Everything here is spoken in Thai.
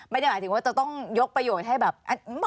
ไม่ได้หมายถึงว่าจะต้องยกประโยชน์ให้แบบ